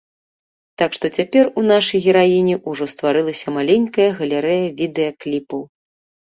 Так што цяпер у нашай гераіні ўжо стварылася маленькая галерэя відэакліпаў.